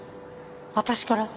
私から？